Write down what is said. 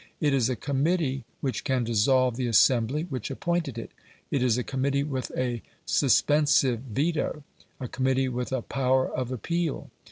It is a committee which can dissolve the assembly which appointed it; it is a committee with a suspensive veto a committee with a power of appeal.